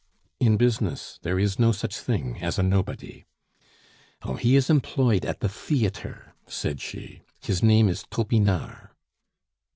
"In business there is no such thing as a nobody." "Oh, he is employed at the theatre," said she; "his name is Topinard."